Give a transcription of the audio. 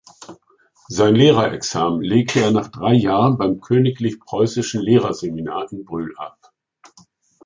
Sein Lehrerexamen legte er nach drei Jahren beim Königlich Preußischen Lehrerseminar in Brühl ab.